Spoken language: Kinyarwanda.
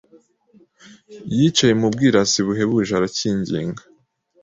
yicaye mu bwirasi buhebuje aracyinginga